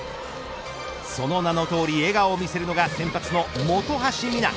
その名の通り笑顔を見せるのが先発の本橋未菜。